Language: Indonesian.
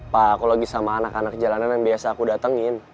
pak aku lagi sama anak anak jalanan yang biasa aku datangin